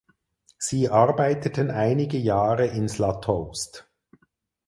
Sie arbeiteten einige Jahre in Slatoust.